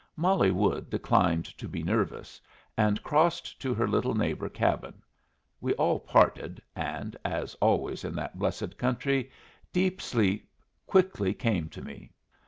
Molly Wood declined to be nervous and crossed to her little neighbor cabin; we all parted, and (as always in that blessed country) deep sleep quickly came to me.